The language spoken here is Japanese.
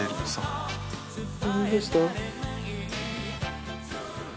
どうした？